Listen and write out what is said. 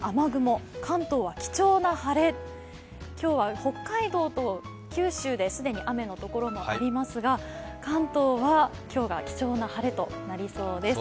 今日は北海道と九州で既に雨の所もありますが、関東は、今日が貴重な晴れとなりそうです。